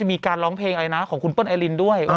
จะเป็นการร้องเพลงหน้าของคุณป้นไอรินด้วย